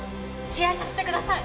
試合させてください！